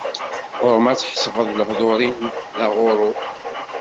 Ɣur-m ad tḥesbeḍ lehdur-iw d aɣurru.